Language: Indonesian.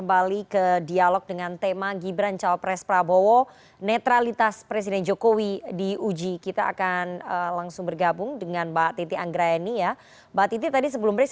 mbak titi masih mute itu